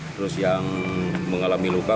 terus yang mengalami luka